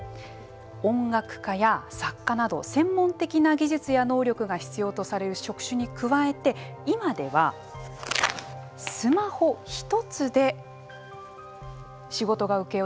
音楽家や作家など専門的な技術や能力が必要とされる職種に加えて今ではスマホ一つで仕事が請け負える